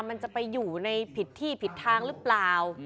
มันจะไปอยู่ในผิดที่ผิดทางหรือเปล่า